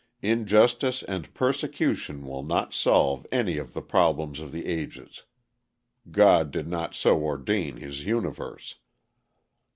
Injustice and persecution will not solve any of the problems of the ages. God did not so ordain his universe.